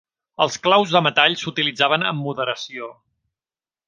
Els claus de metall s'utilitzaven amb moderació.